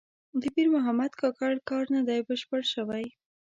د پیر محمد کاکړ کار نه دی بشپړ شوی.